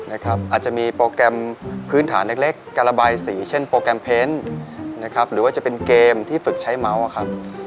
อาจจะมีโปรแกรมพื้นฐานเล็กการระบายสีเช่นโปรแกรมเพ้นนะครับหรือว่าจะเป็นเกมที่ฝึกใช้เมาส์ครับ